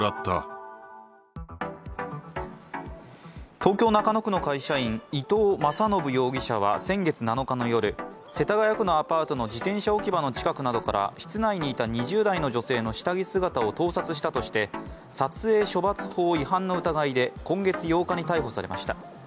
東京・中野区の会社員、伊藤正脩容疑者は先月７日の夜、世田谷区のアパートの自転車置き場の近くなどから室内にいた２０代の女性の下着姿を盗撮したとして撮影処罰法違反の疑いで今月８日に逮捕されました。